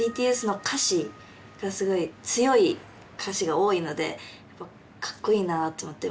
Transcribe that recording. ＢＴＳの歌詞がすごい強い歌詞が多いのでかっこいいなって思って。